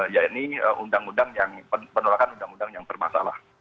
yaitu undang undang yang penolakan undang undang yang bermasalah